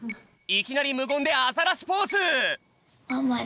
いきなりむごんでアザラシポーズ！